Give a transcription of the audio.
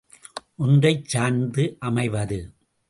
ஒன்றைச் சார்ந்து அமைவது.